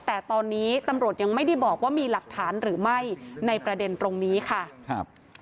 แต่ตอนนี้ตำรวจยังไม่ได้บอกว่ามีหลักฐานหรือไม่ในประเด็นตรงนี้ค่ะครับ